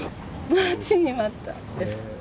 待ちに待ったです。